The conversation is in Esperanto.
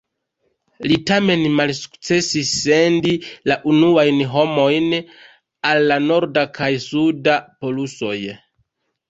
Li tamen malsukcesis sendi la unuajn homojn al la norda kaj suda polusoj.